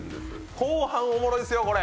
後半おもろいですよこれ。